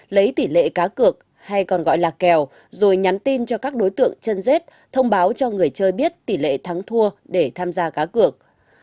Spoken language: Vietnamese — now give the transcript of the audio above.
lấy tỷ lệ cá cược hay còn gọi là kèo rồi nhắn tin cho các đối tượng chân rết thông báo cho người chơi biết tỷ lệ thắng thua để tham gia cá cược